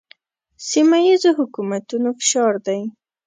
سیمه ییزو حکومتونو فشار دی.